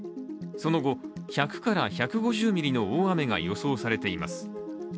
その後、１００１５０ミリの大雨が予想されています。